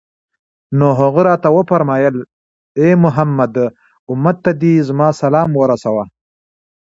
نو هغه راته وفرمايل: اې محمد! أمت ته دي زما سلام ورسوه